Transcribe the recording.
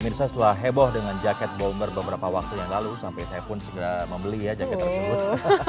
mirsa setelah heboh dengan jaket bomber beberapa waktu yang lalu sampai saya pun segera membeli ya jaket tersebut